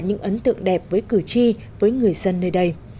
những ấn tượng đẹp với cử tri với người dân nơi đây